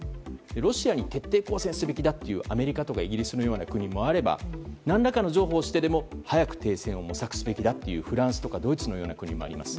ロシアに徹底抗戦すべきだというアメリカやイギリスのような国もあれば何らかの譲歩をしてでも早く停戦を模索すべきだというフランスやドイツのような国もあります。